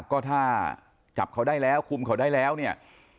ก็ถ้าจับเขาได้แล้วคุมเขาได้แล้วเนี่ย